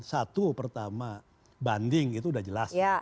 satu pertama banding itu sudah jelas